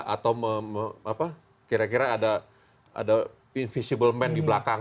atau kira kira ada invisible man di belakang